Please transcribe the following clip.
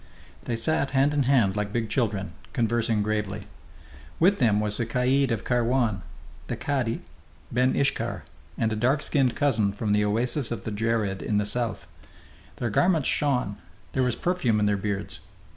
They sat hand in hand like big children, conversing gravely. With them was the caid of Kairwan, the cadi, ben Iskhar, and a dark skinned cousin from the oases of the Djerid in the south. Their garments shone; there was perfume in their beards.